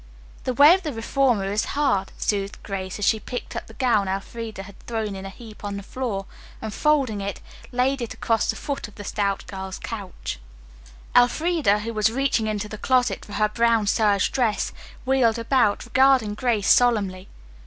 "The way of the reformer is hard," soothed Grace, as she picked up the gown Elfreda had thrown in a heap on the floor, and folding it, laid it across the foot of the stout girl's couch. Elfreda, who was reaching into the closet for her brown serge dress, wheeled about, regarding Grace solemnly.